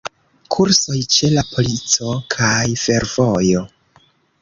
Kursoj ĉe la polico kaj fervojo.